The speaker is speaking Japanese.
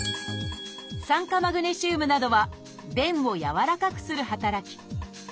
「酸化マグネシウム」などは便をやわらかくする働き。